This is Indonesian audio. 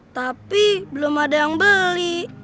tapi belum ada yang beli